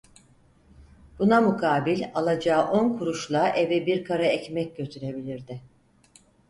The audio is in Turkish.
Buna mukabil alacağı on kuruşla eve bir kara ekmek götürebilirdi.